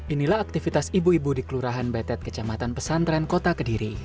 inilah aktivitas ibu ibu di kelurahan betet kecamatan pesantren kota kediri